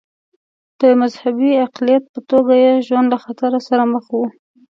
د یوه مذهبي اقلیت په توګه یې ژوند له خطر سره مخ و.